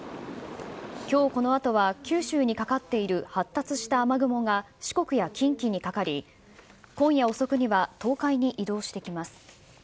きょうこのあとは九州にかかっている発達した雨雲が四国や近畿にかかり、今夜遅くには、東海に移動していきます。